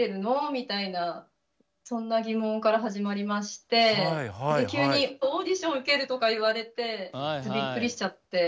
みたいなそんな疑問から始まりまして急にオーディション受けるとか言われてびっくりしちゃって。